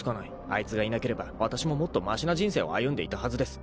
あいつがいなければわたしももっとましな人生を歩んでいたはずです。